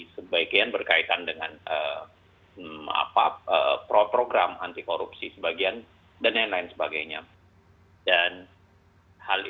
sebagian berkaitan dengan apa program anti korupsi sebagian dan lain lain sebagainya